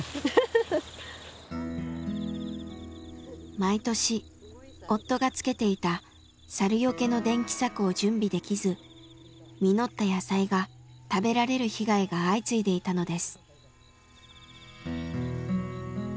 毎年夫が付けていた猿よけの電気柵を準備できず実った野菜が食べられる被害が相次いでいたのです。